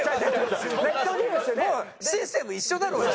システム一緒だろうよ。